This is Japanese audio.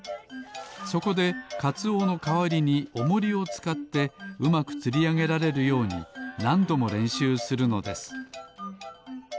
そこでかつおのかわりにおもりをつかってうまくつりあげられるようになんどもれんしゅうするのです